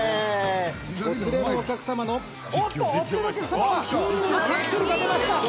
お連れのお客様の、おっと、お連れのお客様は金色のカプセルが出ました。